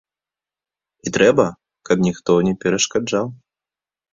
І трэба, каб ніхто не перашкаджаў.